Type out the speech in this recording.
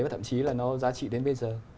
và thậm chí là nó giá trị